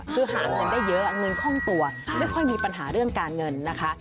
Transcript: คือหาเงินได้เยอะเงินคล่องตัวไม่ค่อยมีปัญหาเรื่องการเงินนะคะ